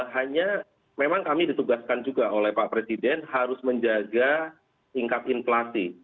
hanya memang kami ditugaskan juga oleh pak presiden harus menjaga tingkat inflasi